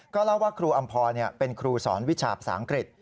เล่าว่าครูอำพรเป็นครูสอนวิชาภาษาอังกฤษ